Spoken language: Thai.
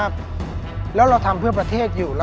๒๗๔ครับนางสาวอังสุมาทุทธองหรือว่าน้องบูมครับ